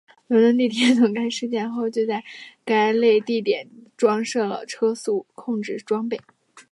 伦敦地铁从该事件后就在该类地点装设了车速控制装备。